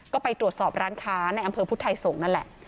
ก็ไปตรวจสอบร้านค้าในอำเภอพุทธไทยสงฆ์นั่นแหละ